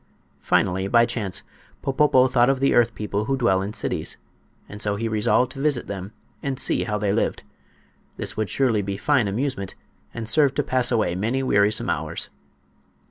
Finally, by chance, Popopo thought of the earth people who dwell in cities, and so he resolved to visit them and see how they lived. This would surely be fine amusement, and serve to pass away many wearisome hours.